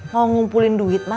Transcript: mau ngumpulin duit mah